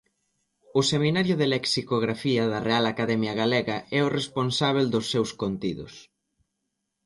O Seminario de Lexicografía da Real Academia Galega é o responsábel dos seus contidos.